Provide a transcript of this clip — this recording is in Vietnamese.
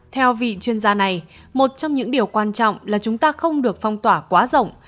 theo vị chuyên gia này một trong những điều quan trọng là chúng ta không được phong tỏa quá rộng